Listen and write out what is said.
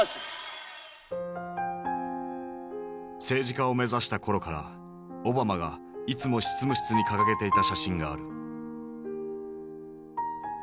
政治家を目指した頃からオバマがいつも執務室に掲げていた写真がある。